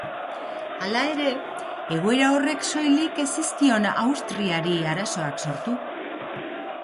Hala ere, egoera horrek soilik ez zizkion Austriari arazoak sortu.